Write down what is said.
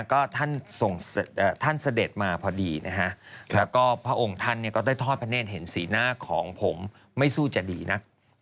ก็ท่านเสด็จมาพอดีนะฮะแล้วก็พระองค์ท่านก็ได้ทอดพระเนธเห็นสีหน้าของผมไม่สู้จะดีนัก